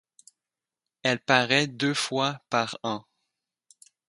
Elle paraît deux fois par an.